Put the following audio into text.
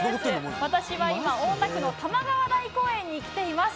私は今大田区の多摩川台公園に来ています。